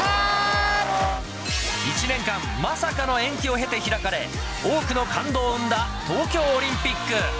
１年間、まさかの延期を経て開かれ、多くの感動を生んだ東京オリンピック。